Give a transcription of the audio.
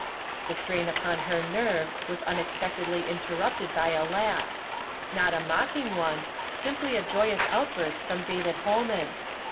The strain upon her nerves was vuiexpectedly intin rupted by a laugh ; not a mocking one, sim[)ly a j<\vous outburst from David Ilolman.